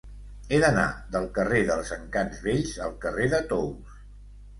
He d'anar del carrer dels Encants Vells al carrer de Tous.